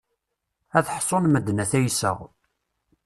Ad ḥṣun medden ad t-ayseɣ.